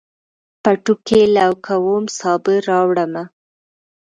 پټو کې لو کوم، سابه راوړمه